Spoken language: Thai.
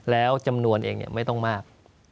แล้วจำนวนเองไม่ต้องมาก